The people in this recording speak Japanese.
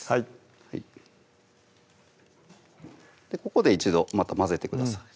ここで一度また混ぜてください